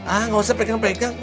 ah nggak usah pegang pegang